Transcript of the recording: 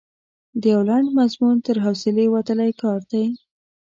د یو لنډ مضمون تر حوصلې وتلی کار دی.